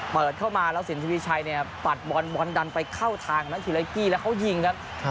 เปิดเข้ามาแล้วสินทวีชัยเนี่ยปัดบอลบอลดันไปเข้าทางนั้นทีละกี้แล้วเขายิงครับ